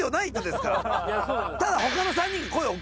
ただ。